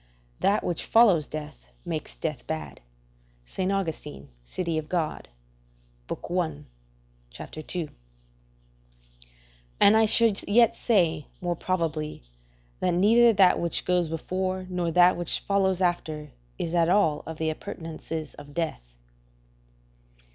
["That which follows death makes death bad." St. Augustin, De Civit. Dei, i. ii.] And I should yet say, more probably, that neither that which goes before nor that which follows after is at all of the appurtenances of death.